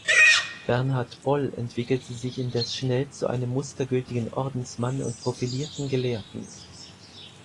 Bernhard Boll entwickelte sich indes schnell zu einem mustergültigen Ordensmann und profilierten Gelehrten.